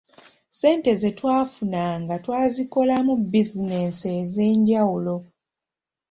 Ssente ze twafunanga twazikolamu bizinensi ez’enjawulo.